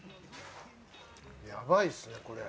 ヤバいっすねこれ。